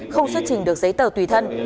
không xuất trình được giấy tờ tùy thân